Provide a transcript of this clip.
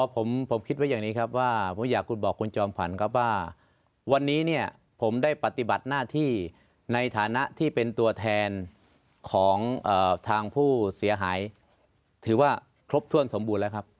ผมคิดว่าอย่างนี้ครับว่าผมอยากบอกคุณจอมขวัญครับว่าวันนี้เนี่ยผมได้ปฏิบัติหน้าที่ในฐานะที่เป็นตัวแทนของทางผู้เสียหายถือว่าครบถ้วนสมบูรณ์แล้วครับ